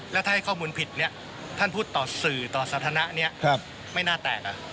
แล้วถ้าให้ข้อมูลผิดเนี่ยท่านพูดต่อสื่อต่อสถานะนี้ไม่น่าแตก